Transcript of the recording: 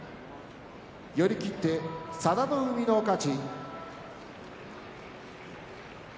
寄り切って佐田の海の勝ち。